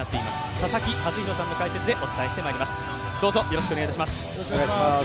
佐々木主浩さんの解説でお伝えしてまいります。